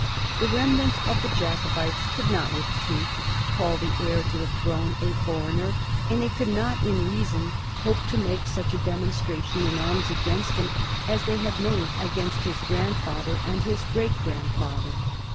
The remnant of the Jacobites could not with truth call the heir to the throne a foreigner, and they could not in reason hope to make such a demonstration in arms against him as they had made against his grandfather and his great grandfather.